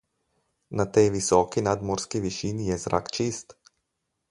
Na tej visoki nadmorski višini je zrak čist.